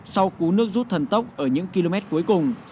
sau cú nước rút thần tốc ở những km cuối cùng